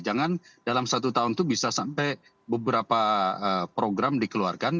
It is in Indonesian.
jangan dalam satu tahun itu bisa sampai beberapa program dikeluarkan